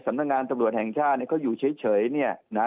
สำหรับงานตำลวจแห่งชาติเนี้ยเขาอยู่เฉยเฉยเนี้ยนะ